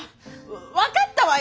分かったわよ！